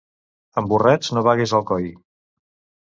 Amb burrets no vages a Alcoi.